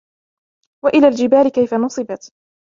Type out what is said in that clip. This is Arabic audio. وَإِلَى الْجِبَالِ كَيْفَ نُصِبَتْ